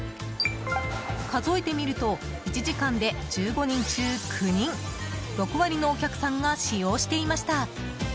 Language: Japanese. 数えてみると１時間で１５人中９人６割のお客さんが使用していました。